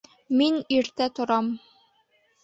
Мин иртә торам